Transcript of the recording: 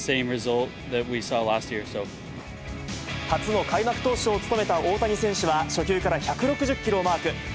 初の開幕投手を務めた大谷選手は、初球から１６０キロをマーク。